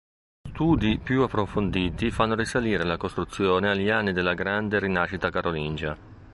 Studi più approfonditi fanno risalire la costruzione agli anni della grande rinascita carolingia.